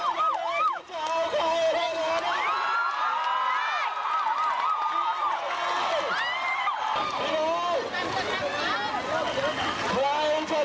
ประชาชนไม่มีความหมายเลยเหรอ